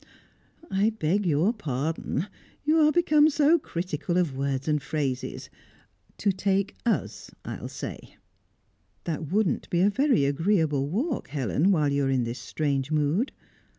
"I beg your pardon. You are become so critical of words and phrases. To take us, I'll say." "That wouldn't be a very agreeable walk, Helen, whilst you are in this strange mood.